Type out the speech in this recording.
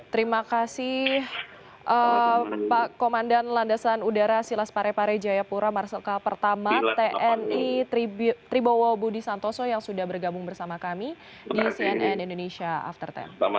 terima kasih pak komandan landasan udara silas parepare jayapura marsikal pertama tni tribowo budi santoso yang sudah bergabung bersama kami di cnn indonesia after sepuluh